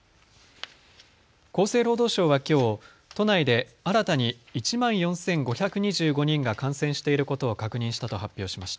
厚生労働省はきょう都内で新たに１万４５２５人が感染していることを確認したと発表しました。